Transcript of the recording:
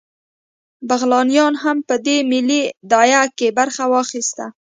بغلانیانو هم په دې ملي داعیه کې برخه واخیسته